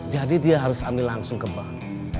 jadi dia harus ambil langsung ke bank